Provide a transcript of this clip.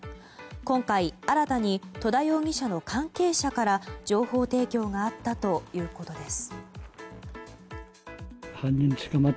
今回、新たに戸田容疑者の関係者から情報提供があったということです。